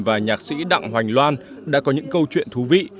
và nhạc sĩ đặng hoành loan đã có những câu chuyện thú vị